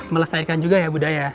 melestarikan juga ya budaya